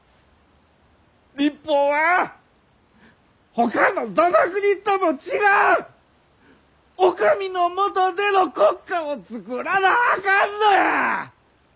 日本はほかのどの国とも違うお上のもとでの国家を作らなあかんのや。